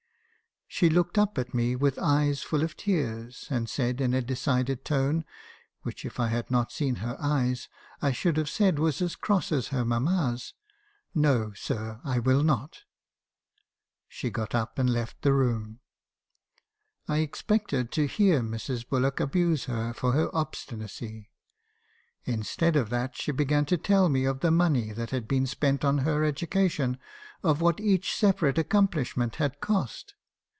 She looked up at me with eyes full of tears, and said, in a decided tone (which, if I had not seen her eyes, I should have said was as cross as her mamma's), 'No, sir, I will not.' She got up, and left the room. I expected to hear Mrs. Bullock abuse her for her obstinacy. Instead of that, she began to tell me of the money that had been spent on her education; of what each se parate accomplishment had cost.